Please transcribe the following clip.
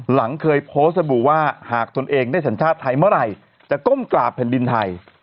หลังเคยโพสต์ระบุว่าหากตนเองได้สัญชาติไทยเมื่อไหร่จะก้มกราบแผ่นดินไทย